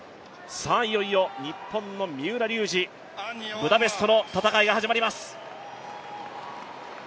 いよいよ日本の三浦龍司、ブダペストの戦いが始まります。